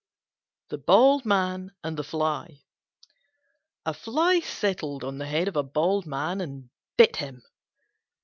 THE BALD MAN AND THE FLY A Fly settled on the head of a Bald Man and bit him.